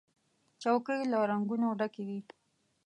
چوکۍ له رنګونو ډکې وي.